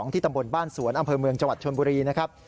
ที่ตำบลบ้านสวนอำเภอเมืองจังหวัดชนบุรีนะครับ